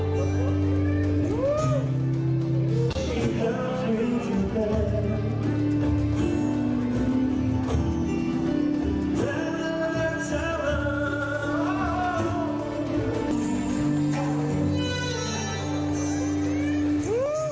สวัสดีครับ